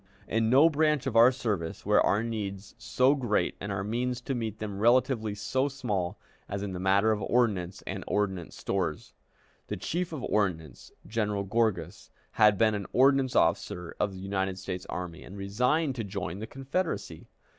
In no branch of our service were our needs so great and our means to meet them relatively so small as in the matter of ordnance and ordnance stores. The Chief of Ordnance, General Gorgas, had been an ordnance officer of the United States Army, and resigned to join the Confederacy.